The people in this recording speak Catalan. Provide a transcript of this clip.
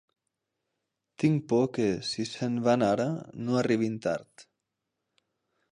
Tinc por que, si se'n van ara, no arribin tard.